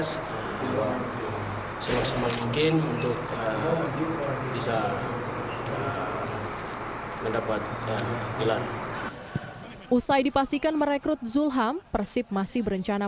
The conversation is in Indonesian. selesai mungkin untuk bisa mendapat gelar usai dipastikan merekrut zulham persib masih berencana